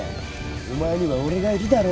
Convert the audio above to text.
お前には俺がいるだろ。